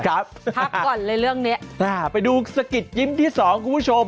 พักก่อนเลยเรื่องนี้ไปดูสะกิดยิ้มที่สองคุณผู้ชม